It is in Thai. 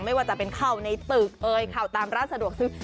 ไม่ว่าจะเป็นเข้าในตึกเข้าตามรถสะดวกซึ้ง